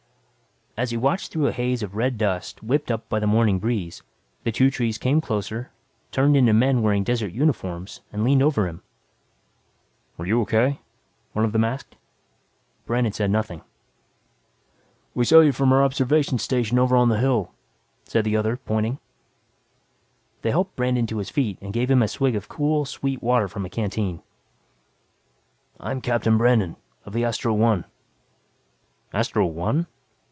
As he watched through a haze of red dust whipped up by the morning breeze, the two trees came closer, turned into men wearing desert uniforms and leaned over him. "Are you okay?" one of them asked. Brandon said nothing. "We saw you from our observation station over on the hill," said the other pointing. They helped Brandon to his feet and gave him a swig of cool, sweet water from a canteen. "I'm Captain Brandon, of the Astro One." "Astro One?"